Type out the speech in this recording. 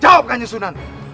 jawab kanjeng sunan